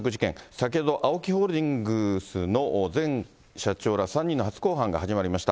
先ほど、ＡＯＫＩホールディングスの前社長ら３人の初公判が始まりました。